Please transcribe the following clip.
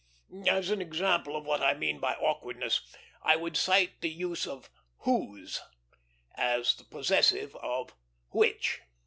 As an example of what I mean by awkwardnesses, I would cite the use of "whose" as the possessive of "which."